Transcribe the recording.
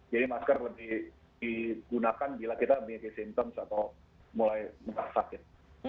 jadi masker lebih digunakan bila kita memiliki symptoms atau mulai sakit